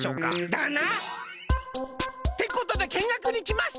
だな！ってことでけんがくにきました！